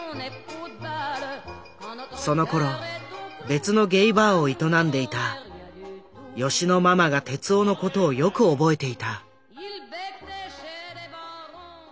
そのころ別のゲイバーを営んでいた吉野ママが徹男の事をよく覚えていた。